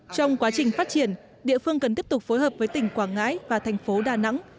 trong quá trình phát triển địa phương cần tiếp tục phối hợp với tỉnh quảng ngãi và thành phố đà nẵng